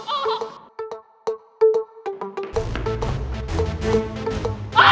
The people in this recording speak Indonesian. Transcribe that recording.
tombak kayak gini pak